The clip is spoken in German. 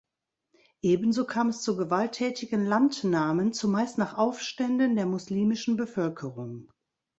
Ebenso kam es zu gewalttätigen Landnahmen, zumeist nach Aufständen der muslimischen Bevölkerung.